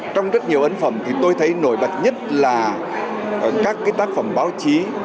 trong rất nhiều ấn phẩm thì tôi thấy nổi bật nhất là các tác phẩm báo chí